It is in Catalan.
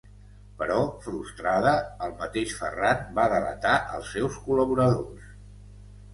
Però frustrada, el mateix Ferran va delatar els seus col·laboradors.